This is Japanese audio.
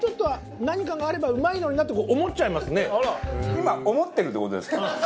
今思ってるって事ですか？